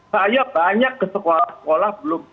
saya banyak ke sekolah sekolah belum